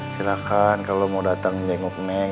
silahkan kalau mau datang jenggok neng